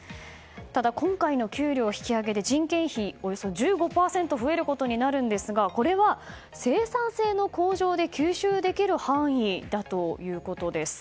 ただ、今回の給料引き上げで人件費がおよそ１５％増えることになるんですがこれは生産性の向上で吸収できる範囲ということです。